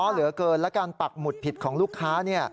เหลือเกินและการปักหมุดผิดของลูกค้า